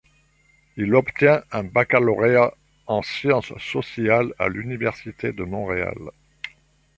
Il obtient un baccalauréat en sciences sociales à l'Université de Montréal.